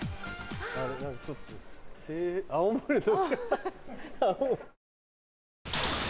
何かちょっと青森の。